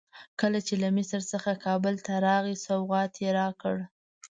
کله چې له مصر څخه کابل ته راغی سوغات یې راکړ.